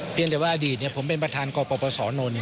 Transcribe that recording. เพียงแต่ว่าอดีตผมเป็นประทานกปปศนล